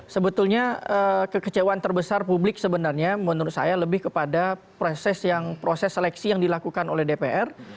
sebetulnya kekecewaan terbesar publik sebenarnya menurut saya lebih kepada proses seleksi yang dilakukan oleh dpr